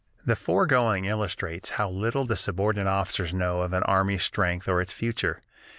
The foregoing illustrates how little the subordinate officers know of an army's strength or its future.